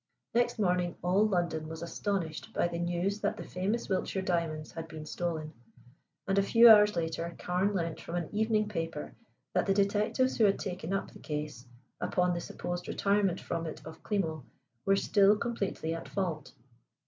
Next morning all London was astonished by the news that the famous Wiltshire diamonds had been stolen, and a few hours later Carne learnt from an evening paper that the detectives who had taken up the case, upon the supposed retirement from it of Klimo, were still completely at fault.